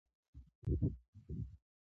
د غفلت په خوب بیده یمه پښتون یم نه خبريږم.